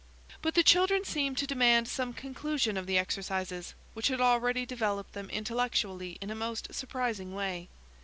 But the children seemed to demand some conclusion of the exercises, which had already developed them intellectually in a most surprising way.